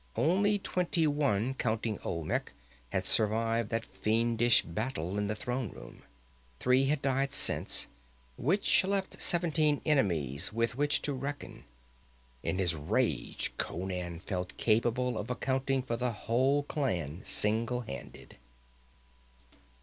Only twenty one, counting Olmec, had survived that fiendish battle in the throne room. Three had died since, which left seventeen enemies with which to reckon. In his rage Conan felt capable of accounting for the whole clan single handed.